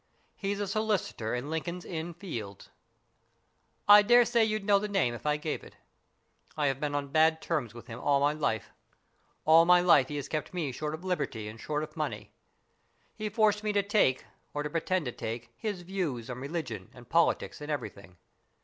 He's a solicitor in Lincoln's Inn Fields. I dare say you'd know the name if I gave it. I have been on bad terms with him all my life. All my life he has kept me short of liberty and short of money. He forced me to take, or to pretend to take, his views in religion and politics and everything.